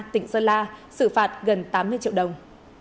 tỉnh sơn la xử phạt gần tám mươi triệu đồng